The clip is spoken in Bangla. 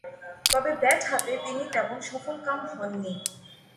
তবে ব্যাট হাতে তিনি তেমন সফলকাম হননি।